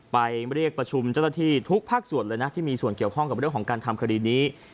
เรียกประชุมเจ้าหน้าที่ทุกภาคส่วนเลยนะที่มีส่วนเกี่ยวข้องกับเรื่องของการทำคดีนี้